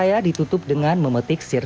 jadi kita wieder dis tuan